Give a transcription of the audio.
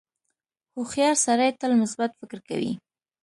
• هوښیار سړی تل مثبت فکر کوي.